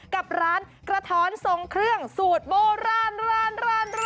กับร้านกระท้อนทรงเครื่องสูตรโบราณร้าน